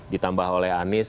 ditambah oleh anies